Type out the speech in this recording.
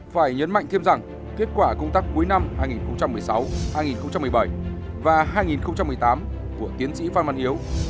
phải nhấn mạnh thêm rằng kết quả công tác cuối năm hai nghìn một mươi sáu hai nghìn một mươi bảy và hai nghìn một mươi tám của tiến sĩ phan văn hiếu